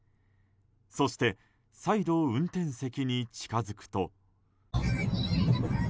そして、再度運転席に近づくと。